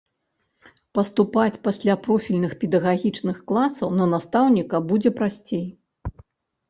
Паступаць пасля профільных педагагічных класаў на настаўніка будзе прасцей.